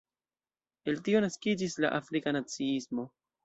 El tio naskiĝis la Afrika naciismo.